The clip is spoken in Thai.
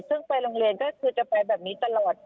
ซึ่งไปลงเวียนก็จะไปแบบนี้ตลอด